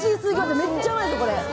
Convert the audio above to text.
めっちゃうまいですよ。